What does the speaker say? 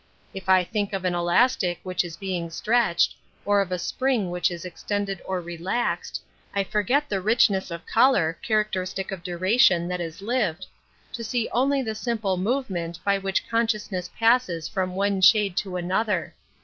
If I think of an elastic which is being stretched, or of a spring which is extended or relaxed, I forget the richness of color, characteristic of duration that is lived, to see only the simple movement by which consciousness passes from one shade to another.